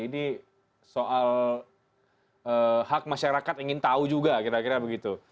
ini soal hak masyarakat ingin tahu juga kira kira begitu